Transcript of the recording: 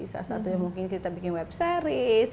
salah satu mungkin kita bikin webseries